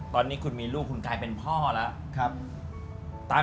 ตอนนี้คุณมีลูกคุณกลายเป็นพ่อแล้ว